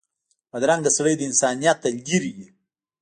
بدرنګه سړی د انسانیت نه لرې وي